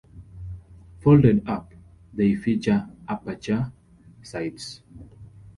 Folded up, they feature aperture sights.